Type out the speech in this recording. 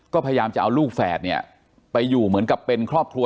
ก็พยายามจะเอาลูกแฝดเนี่ยไปอยู่เหมือนกับเป็นครอบครัว